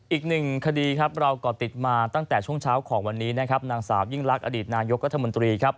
อีกหนึ่งคดีเราก่อติดมาตั้งแต่ช่วงเช้าของวันนี้นางสาวยิ่งรักอดีตนายกรัฐมนตรี